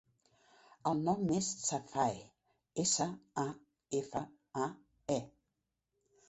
El nom és Safae: essa, a, efa, a, e.